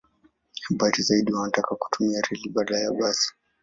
Abiria zaidi wanataka kutumia reli badala ya basi.